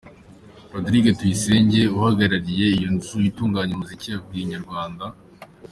Rodrigue Tuyisenge uhagarariye iyo nzu itunganya umuziki yabwiye Inyarwanda.